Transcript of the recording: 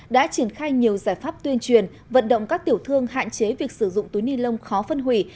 đã triển khai nhiều giải pháp tuyên truyền vận động các tiểu thương hạn chế việc sử dụng túi ni lông khó phân hủy